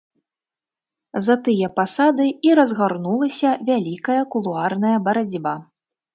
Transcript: За тыя пасады і разгарнулася вялікая кулуарная барацьба.